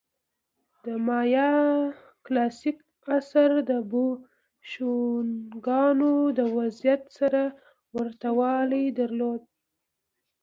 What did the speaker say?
د مایا کلاسیک عصر د بوشونګانو وضعیت سره ورته والی درلود